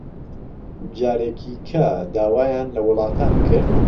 جارێکی کە داوای لە وڵاتان کرد